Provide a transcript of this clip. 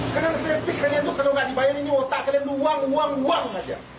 karena serpis kalian tuh kalau nggak dibayar ini otak kalian uang uang uang aja